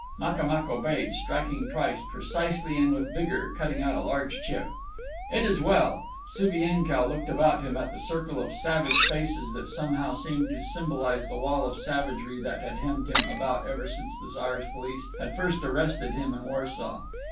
Makamuk obeyed, striking twice, precisely and with vigour, cutting out a large chip. "It is well." Subienkow looked about him at the circle of savage faces that somehow seemed to symbolize the wall of savagery that had hemmed him about ever since the Czar's police had first arrested him in Warsaw.